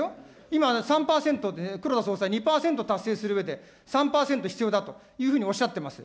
今、３％で、黒田総裁、２％達成するうえで３％必要だというふうにおっしゃってます。